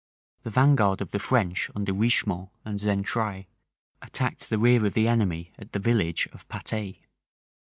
The vanguard of the French under Richemont and Xaintrailles attacked the rear of the enemy at the village of Patay.